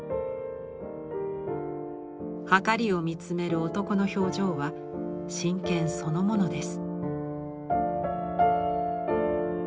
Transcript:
はかりを見つめる男の表情は真剣そのものです。